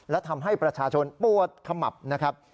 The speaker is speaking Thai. และทำให้ประชาชนปวดขมับนะครับ